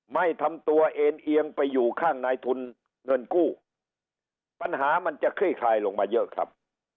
ไม่ทำตัวเอ็นเอียงไปอยู่ข้างในทุนเงินกู้ปัญหามันจะคลี่คลายลงมาเยอะครับ